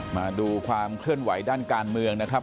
มาดูความเคลื่อนไหวด้านการเมืองนะครับ